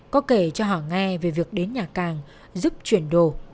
có kể cho họ nghe về việc đến nhà càng giúp chuyển đồ